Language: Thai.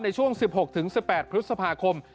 ในช่วง๑๖๑๘พฤษภาคม